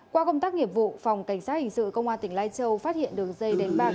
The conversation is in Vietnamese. qua công tác nghiệp vụ phòng cảnh sát hình sự công an tỉnh lai châu phát hiện đường dây đánh bạc